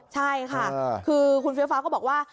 ใช่ค่ะคือคุณเฟียวฟ้าก็บอกว่า